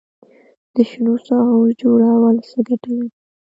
د شنو ساحو جوړول څه ګټه لري؟